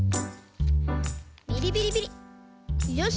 ビリビリビリよし。